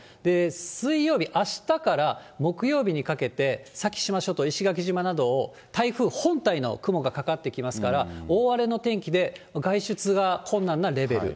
水曜日、あしたから木曜日にかけて、先島諸島、石垣島などを、台風本体の雲がかかってきますから、大荒れの天気で、外出が困難なレベル。